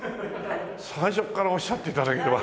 最初からおっしゃって頂ければ。